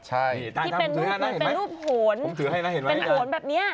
ใช่ที่เป็นรูปห่วนเป็นห่วนแบบนี้